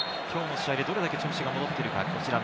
今日の試合でどれだけ調子が戻っているか。